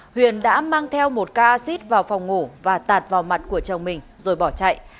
huyền đã mang theo một casid vào phòng ngủ và tạt vào mặt của chồng mình rồi bỏ chạy